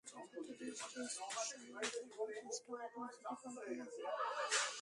চতুর্থ দিন শেষেই স্পষ্ট হয়ে গিয়েছিল ভারত ম্যাচটা হয়তো বাঁচাতে পারবে না।